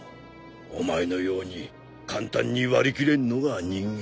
お前のように簡単に割り切れんのが人間。